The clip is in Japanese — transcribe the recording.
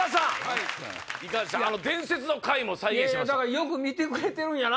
伝説の回も再現しました。